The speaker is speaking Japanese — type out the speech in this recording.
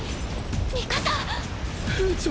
ミカサ⁉兵長！！